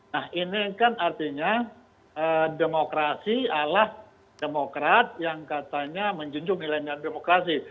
nah ini kan artinya demokrasi ala demokrat yang katanya menjunjungi lengan demokrasi